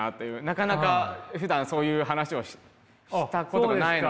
なかなかふだんそういう話をしたことがないので。